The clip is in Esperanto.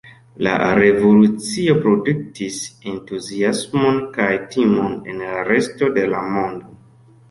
La revolucio produktis entuziasmon kaj timon en la resto de la mondo.